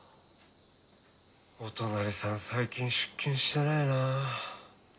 お隣さん最近出勤してねえなぁ。